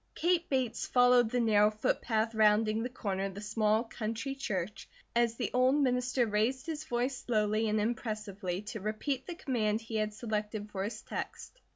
Kate Bates followed the narrow footpath rounding the corner of the small country church, as the old minister raised his voice slowly and impressively to repeat the command he had selected for his text.